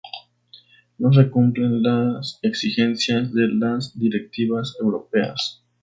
No se cumplen las exigencias de las directivas europeas